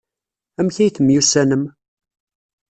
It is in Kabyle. Amek ay temyussanem?